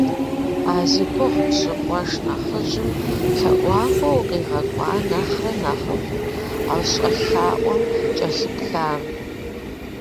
А зи гугъу пщӀы къуэш нэхъыжьым лъэӀуакӀуэ укъигъэкӀуа нэхърэ нэхъыфӀт а щӀэлъаӀуэм кӀэлъыплъам.